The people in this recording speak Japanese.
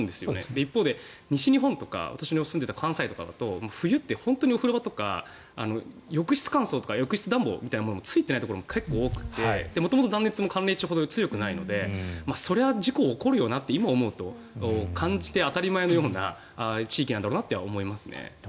一方で西日本とか私の住んでいた関西とかだと冬って本当にお風呂場とか浴室乾燥とか浴室暖房がついていないところも結構多くて元々断熱も寒冷地ほど強くないのでそれは事故、起こるよなと今思うと感じて当たり前のような地域なんだろうと思いますね。